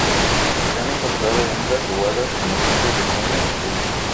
Se han encontrado hembras ovadas en los meses de junio y julio.